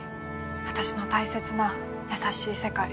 私の大切な優しい世界。